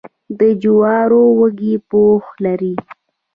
د جوارو وږی پوښ لري.